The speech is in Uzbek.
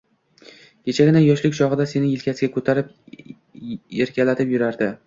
Kechagina, yoshlik chog'ida seni yelkasiga ko'tarib, erkalatib yurardi